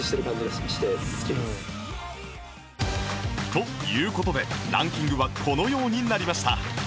という事でランキングはこのようになりました